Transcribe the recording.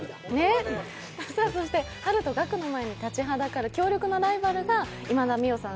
そして、ハルとガクの前に立ちはだかる強力なライバルが今田美桜さん